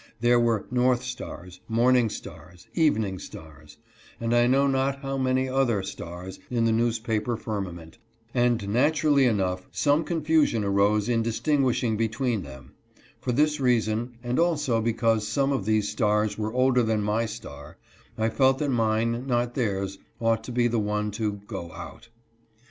There were " North Stars," " Morning Stars," " Evening Stars," and I know not how many other stars in the newspaper firmament, and naturally enough some confusion arose in distinguishing between them ; for this reason, and also because some of these stars were older than my star, I felt that mine, not theirs, ought to be the one to " go out."